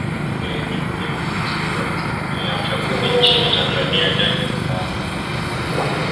e ni mwenyekiti wa tume ya uchanguzi nchini tanzania jaji mstaafu